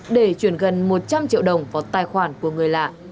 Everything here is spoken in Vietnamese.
để chuyển gần một trăm linh triệu đồng vào tài khoản của người lạ